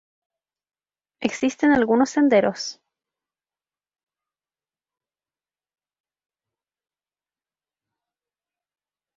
Existen algunos senderos.